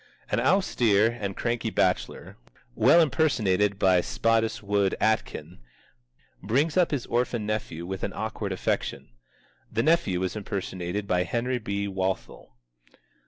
An austere and cranky bachelor (well impersonated by Spottiswoode Aitken) brings up his orphan nephew with an awkward affection. The nephew is impersonated by Henry B. Walthall.